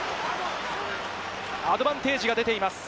アドバンテージが出ています。